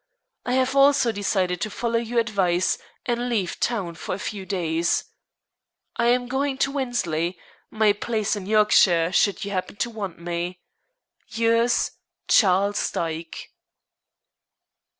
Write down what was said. I have also decided to follow your advice and leave town for a few days. I am going to Wensley, my place in Yorkshire, should you happen to want me. "Yours, "CHARLES DYKE."